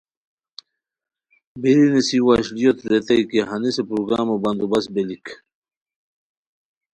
بیری نیسی وشلیوت ریتائے کی ہنیسن پروگرامو بندبسہ بیلیک